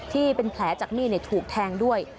ที่เป็นแผลจากมีดถูกแทงด้วย